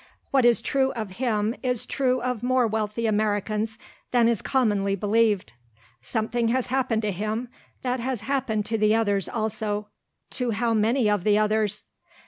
What is true of him is true of more wealthy Americans than is commonly believed. Something has happened to him that has happened to the others also, to how many of the others?